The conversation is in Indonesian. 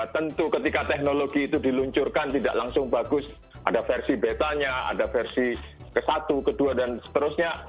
tentu ketika teknologi itu diluncurkan tidak langsung bagus ada versi betanya ada versi ke satu ke dua dan seterusnya